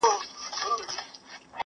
حیوانان یې پلټل په سمه غره کي،